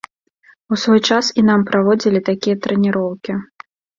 У свой час і нам праводзілі такія трэніроўкі.